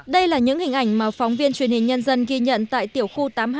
đây là những hình ảnh mà phóng viên truyền hình nhân dân ghi nhận tại tiểu khu tám